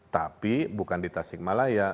tapi bukan di tasikmalaya